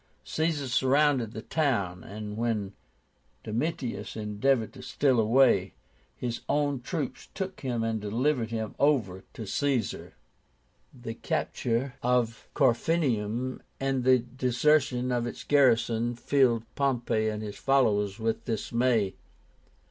Caesar surrounded the town, and when Domitius endeavored to steal away, his own troops took him and delivered him over to Caesar. The capture of Corfinium and the desertion of its garrison filled Pompey and his followers with dismay.